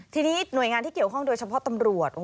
ทีนี้หน่วยงานที่เกี่ยวข้องโดยเฉพาะตำรวจ